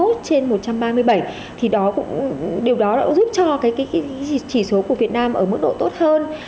thứ ba mươi một trên một trăm ba mươi bảy thì điều đó cũng giúp cho chỉ số của việt nam ở mức độ tốt hơn